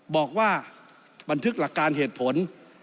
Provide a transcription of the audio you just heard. บอกว่าบันทึกหลักการเหตุผล